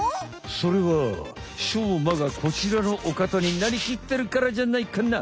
それはしょうまがこちらのおかたになりきってるからじゃないかな？